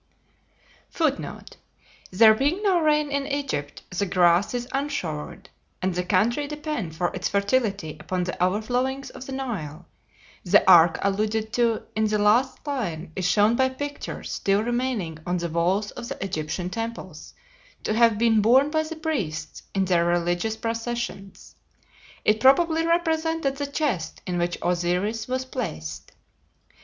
[Footnote: There being no rain in Egypt, the grass is "unshowered," and the country depend for its fertility upon the overflowings of the Nile. The ark alluded to in the last line is shown by pictures still remaining on the walls of the Egyptian temples to have been borne by the priests in their religious processions. It probably represented the chest in which Osiris was placed.